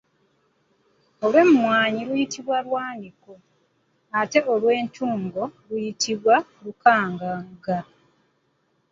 Olw’emmwaanyi luyitibwa lwaniko ate olw’entungo luyitibwa Lukangaga.